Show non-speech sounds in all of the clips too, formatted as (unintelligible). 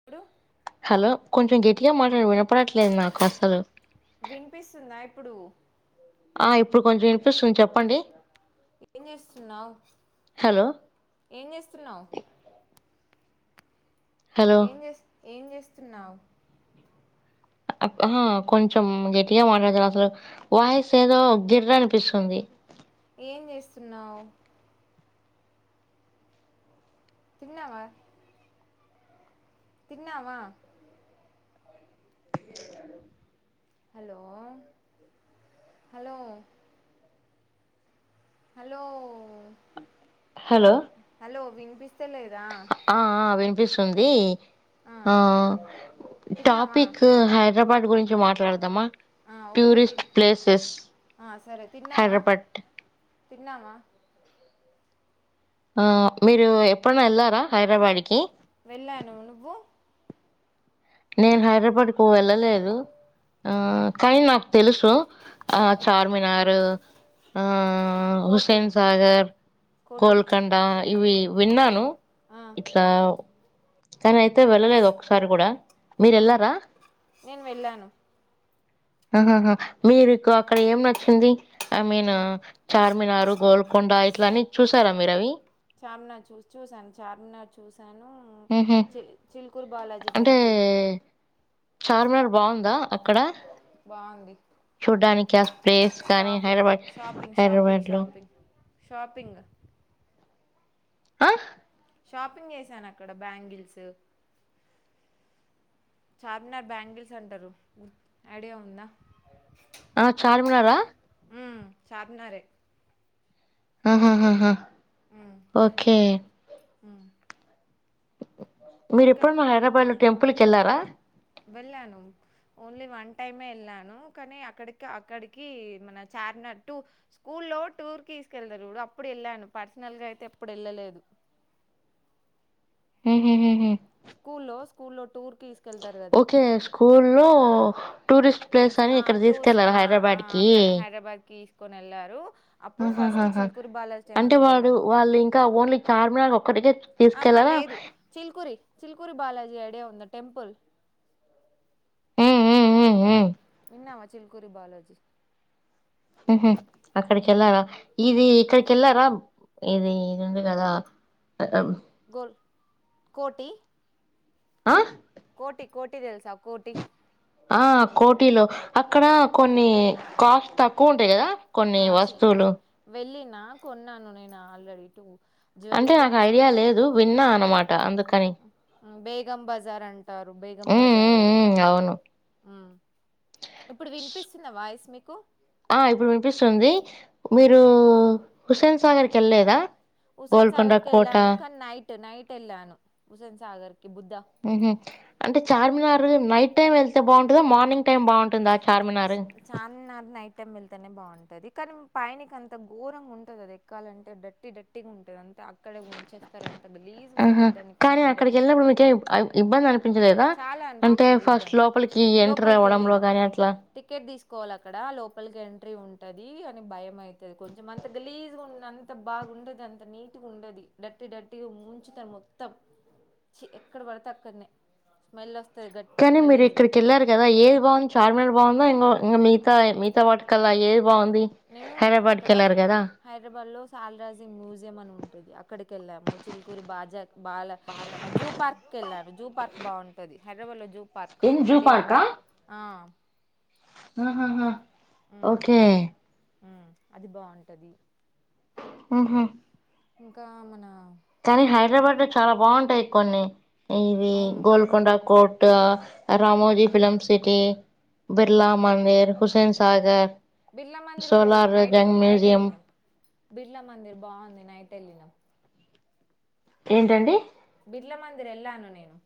ఎప్పుడు హలో కొంచెం గట్గా మాట్లాడి వినపడట్లేదు నాకు అసలు వినిపిస్తుందా ఇప్పుడు ఆ ఇప్పుడు కొంచెం వినిపిస్తుంది చెప్పండి ఏం చేస్తున్నావు్ హలో ఏం చేస్తున్నావు్ హలో ఏం చే ఏం చేస్తున్నావు ఆ కొంచెం గట్టిగా మాట్లాడతారు అసలు వాయిసు ఏదో గిర్ర అనిపిస్తుంది ఏం చేస్తున్నావు తిన్నావా తిన్నావా hello hello hello hello hello వినిపిస్తలేదా. ఆ ఆ వినిపిస్తుంది. ఆ తిన్నావా టాపిక్ హైదరాబాద్ గురించి మాట్లాడదామా ఆ, ఓకే తిన్ ట్యూరిస్ట్ ప్లేసెస్ హైదరాబట్ తిన్నవా. ఆ మీరు ఎప్పుడనా ఎళ్లారా హైదరాబాద్కి. వెళ్ళాను. నువ్వు? నేను హైదరాబాద్ కు వెళ్ళలేదు. ఆ కానీ నాకు తెలుసు ఆ చార్మినార్ ఆ కోటి హుస్సేన్ సాగర్, కోటి కోల్కొండా ఇవి విన్నాను ఆ, ఇట్లా కానీ అయితే వెళ్ళలేదు ఒకసారి కూడా. మీరు ఆ వెళ్ళారా నేను వెళ్ళాను. ఆహాహా మీరుకు అక్కడ ఏం నచ్చింది? ఐ మీన్ నాకు చార్మినార్, గోల్కొండా ఇట్ల అన్ని చూసారా మీరు అవి? చార్మినార్ చూసి చూసాను చార్మినార్ చూస్ సాను ఉహు చిల్కూరు బాలాజీ అంటే టెంపుల్ చార్మినార్ బావుందా అక్కడ బావుంది. చూడ్డానికి ఆ ప్లేస్ కానీ హైదరాబాద్ షాపింగ్ షాపింగ్ హైదరాబాద్ లో షాపింగ్ షాపింగ్ ఆ షాపింగ్ చేసాను అక్కడ బ్యాంగిల్స్. చార్మినార్ బ్యాంగిల్స్ అంటరు ఐడియా ఉందా. ఆ చార్మినారా హ్మ్ చార్మినారే. ఆహాహాహా హ ఓకే ఆ మీరు ఎప్పుడన్న హైదరాబాద్ లో టెంపుల్ కి వెళ్లారా. వెళ్ళాను ఓన్లీ వన్ టైమే ఎళ్ళాను కానీ అక్కడికి అక్కడికి మన చా చార్మినార్ టూ స్కూల్లో టూర్ కి తీసుకెళ్తరు చూడు అప్పుడు వెళ్ళాను. పర్సనల్ గా అయితే ఎప్పుడు ఎళ్ళలేదు. హహహహా స్కూల్లో స్కూల్లో టూర్కి తీసుకెళ్తారు కదా ఓకే స్కూల్లో టూరిస్ట్ ప్లేస్ ఎక్స్ అని ఆ ఇక్కడ టూస్ తీసుకెళ్లారు ఆ ఆ హైదరాబాద్ కి అక్కడ హైదరాబాద్ కి తీసుకొని ఎళ్లారు. ఆహా హ హా అంటే వాడు వెళ్ళాం వాళ్ళు ఇంకా ఓన్లీ చార్మినార్ ఒక్కటికే ఆహా తీసుకెళ్ళా లేదు చిలుకూరి చిలుకూరి బాలాజీ ఐడియా ఉందా టెంపుల్. విన్నవా చిల్కురి బాలాజీ. హహా ఉమ్. అక్కడకెలావా ఆ ఇది ఇక్కడికెల్లారా ఇది ఇదుంది కదా అఆ గోల్ కోటి ఆ కోటి కోటి తెల్సా కోటి ఆ కోటీలో అక్కడ కొన్ని కాస్ట్ తక్కువ ఉంటయి కదా. కొన్ని వస్తువులు. నా కొన్నాను నేను ఆల్రెడి టు. అంటే నాకు ఐడియా లేదు విన్నా అన్నమాట అందుకని. టరు బేగం ఉమ్ బాజారు ఉమ్ ఐడియా ఉమ్ అవును హ్మ్. ఇప్పుడు వినిపిస్తుంద వాయిస్ మీకు ఆ ఇప్పుడు వినిపిస్తుంది హ్మ్. మీరు హుసేన్ సాగర్కి వెళ్ళలేదా హుసేన్ గోల్కొండ సాగర్ కి కోట వెళ్ళను కానీ నైట్ నైట్ వెళ్ళాను హుస్సేన్ సాగర్ ఉహు అంటే చార్మినార్ నైట్ టైం వెళ్తే బాగుంటుందా మార్నింగ్ టైమ్ బాగుంటుంద చార్మినార్ నైట్ టైమ్ వెళ్తేనే బాగుంటది కానీ పైకి అంత ఘోరంగా ఉంటంది అది ఎక్కాలంటే డట్టి డట్టిగా ఉంటుంది అంత ఆహా గలీజ్‌గుంటది దాన్ని కానీ కొంచెం డెవ అక్కడికి వెళ్ళినప్పుడు మీకు ఇబ్బంది అనిపించలేదా చాలా అంటే అనిపించింది ఫస్ట్ ఇబ్బంది లోపలికి ఎంటర్ లోపలికి అవ్వడంలో వెళ్ళినాం గాని అట్లా టికెట్ తీసు కోవాలి అక్కడ లోపలికి ఎంట్రీ ఉంటది. కానీ భయం అయితది కొంచెం అంత గలీజ్గా ఉంది అంతా బాగా ఉండది అంత నీటిగా ఉండదు డట్టి డట్టి ముంచుతాది మొత్తం చి ఎక్కడ పడతే అక్కడనే స్మైల్ వస్త కానీ మీరు ఇక్కడికి వెళ్ళారు కదా ఏది బాగుంది చార్మిన వామ్మో (unintelligible) మిగతా ఇగ మిగతా వాటి కల్ల అయ్యేది హైదరాబాద్ కి వెళ్లారు కదా హైదరాబాద్ లో సాల్రాజింగ్ మ్యూజియం అని ఉంటుది అక్కడికి వెళ్ళాము చిలికూరి బాజా బాలజీ జూ పార్క్ కెల్లము జూ పార్క్ బాగుంటది హైదరాబాద్ లో జూ పార్క్ ఏం జూ ఐడియా ఉంద ఆ హ ఓకే ఆ అది బాగుంటది ఆహా ఇంకా మన కానీ హైదరాబాద్ లో చాలా బాగుంటాయి కొన్ని ఇవి అవును అవును గోల్కొండ కోట్ రామోజీ ఉమ్ ఫిల్మ్ సిటీ బిర్లా మందిర్ హుసెన్ సాగర్ బిర్లా మందిర్ కూడా వెళ్ళినాం సోలార్ నైట్ జంగ్ నైట్ మ్యూజియం వెళ్ళినాం బిర్లా మందిర్ బాగుంది నైట్ వెళ్ళినము ఏంటండి బిర్ల మందిర్ ఎలాను నేను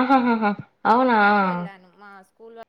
ఆహాహహా నైట్ వెళ్ళాను మా స్కూల్